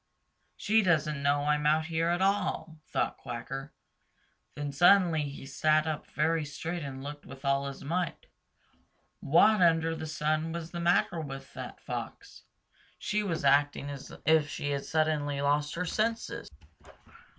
"She doesn't know I'm out here at all," thought Quacker. Then suddenly he sat up very straight and looked with all his might. What under the sun was the matter with that Fox? She was acting as if she had suddenly lost her senses.